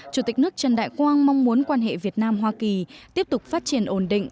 chủ tịch nước trần đại quang mong muốn quan hệ việt nam hoa kỳ tiếp tục phát triển ổn định